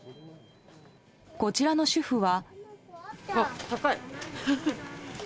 こちらの主婦は。